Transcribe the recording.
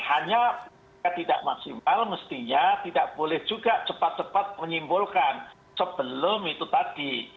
hanya tidak maksimal mestinya tidak boleh juga cepat cepat menyimpulkan sebelum itu tadi